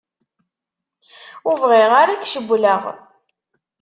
Ur bɣiɣ ara ad k-cewwleɣ.